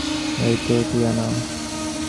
এইতো, টিয়ানা।